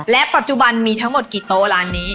และปัจจุบันมีทั้งหมดกี่โต๊ะร้านนี้